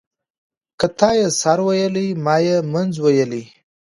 ـ که تا يې سر ويلى ما يې منځ ويلى.